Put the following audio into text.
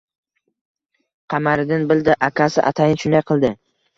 Qamariddin bildi: akasi atayin shunday qildi